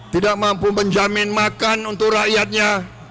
tidak mampu menjamin makan untuk rakyatnya